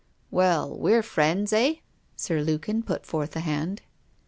'Well, we're friends, eh?' Sir Lukin put forth a hand.